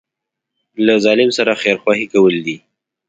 له ظالم سره خیرخواهي کول دي.